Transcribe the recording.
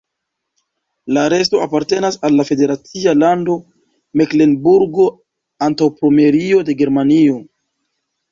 La resto apartenas al la federacia lando Meklenburgo-Antaŭpomerio de Germanio.